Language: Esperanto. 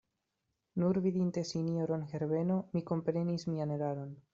Nur vidinte sinjoron Herbeno, mi komprenis mian eraron.